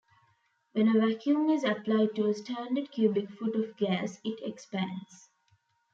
When a vacuum is applied to a standard cubic foot of gas, it expands.